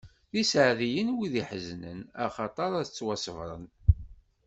D iseɛdiyen, wid iḥeznen, axaṭer ad ttwaṣebbren!